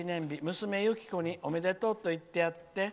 娘、ゆきこにおめでとうと言ってやって」。